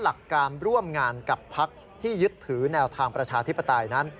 หลักการร่วมงานกับพักที่ยึดถือแนวทางประชาธิปไตยนั้น